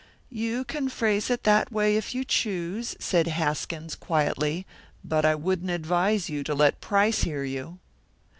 "You can phrase it that way if you choose," said Haskins, quietly; "but I wouldn't advise you to let Price hear you."